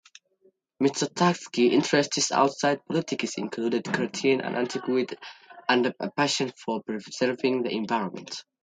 Mitsotakis's interests outside politics included Cretan antiquities and a passion for preserving the environment.